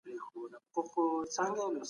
روښانه راتلونکی ستاسو دی.